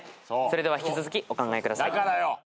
それでは引き続きお考えください。